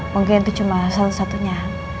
mungkin itu cuma salah satunya